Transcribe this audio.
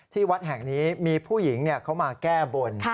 วัดแห่งนี้มีผู้หญิงเขามาแก้บน